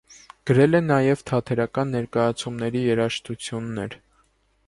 Գրել է նաև թատերական ներկայացումների երաժշտություններ։